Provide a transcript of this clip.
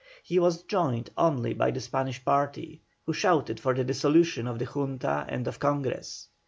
He was joined only by the Spanish party, who shouted for the dissolution of the Junta and of Congress.